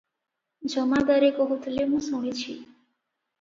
ଜମାଦାରେ କହୁଥିଲେ ମୁଁ ଶୁଣିଛି ।